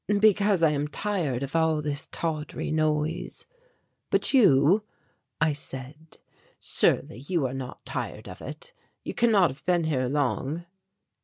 "Because I am tired of all this tawdry noise. But you," I said, "surely you are not tired of it? You cannot have been here long."